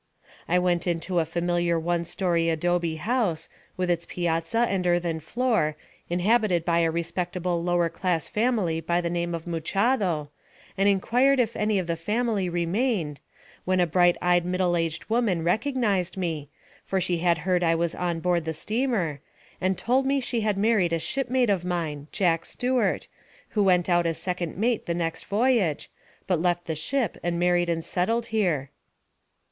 I went into a familiar one story adobe house, with its piazza and earthen floor, inhabited by a respectable lower class family by the name of Muchado, and inquired if any of the family remained, when a bright eyed middle aged woman recognized me, for she had heard I was on board the steamer, and told me she had married a shipmate of mine, Jack Stewart, who went out as second mate the next voyage, but left the ship and married and settled here.